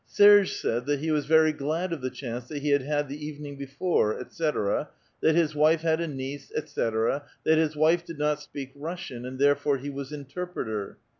Serge said that he was very glad of the chance that he had had the evening before, etc., that his wife had a niece, etc., that his wife did not speak Russian, and therefore he was interpreter.